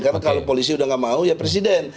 karena kalau polisi udah nggak mau ya presiden